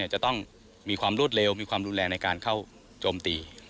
จะต้องมีความรวดเร็วมีความรุนแรงในการเข้าโจมตี